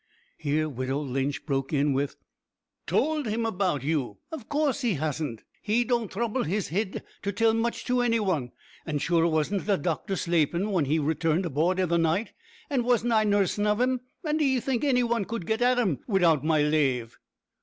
Here widow Lynch broke in with: "Towld him about you? Av course he hasn't. He don't throuble his hid to tell much to any wan; an', sure, wasn't the doctor slaapin' whin he returned aboord i' the night, an' wasn't I nursin' of 'im, and d'ee think any wan could git at 'im widout my lave?"